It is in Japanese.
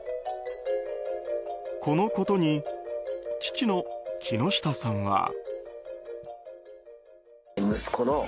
このことに、父の木下さんは。